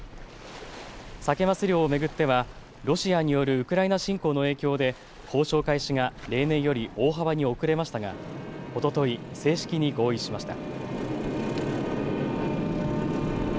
サケ・マス漁を巡ってはロシアによるウクライナ侵攻の影響で交渉開始が例年より大幅に遅れましたが、おととい正式に合意しました。